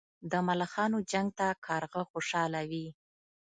د ملخانو جنګ ته کارغه خوشاله وي.